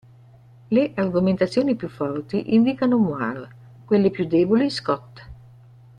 Le argomentazioni più forti indicano Moir, quelle più deboli Scott.